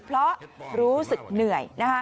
เพราะรู้สึกเหนื่อย